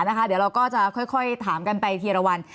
เดี๋ยวเราก็จะค่อยถามกันไปทีละวัน